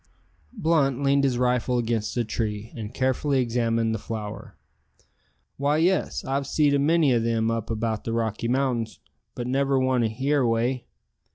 Blunt leaned his rifle against a tree, and carefully examined the flower. "Why, yes, I've seed a many o' them up about the Rocky Mountains, but never one here away.